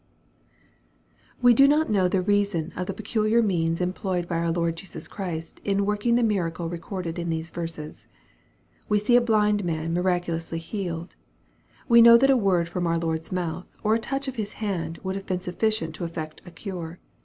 WE do not know the reason of the peculiar means em ployed by our Lord Jesus Chirst, in working the miracle recorded in these verses. We see a blind man miracu lously healed. We know that a word from our Lord's mouth, or a touch of His hand would have been suf ficient to effect a cure.